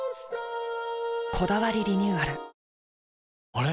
あれ？